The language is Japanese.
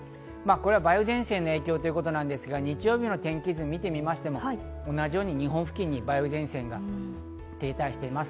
梅雨前線の影響ということなんですが日曜日の天気図を見ると同じように日本付近に梅雨前線が停滞しています。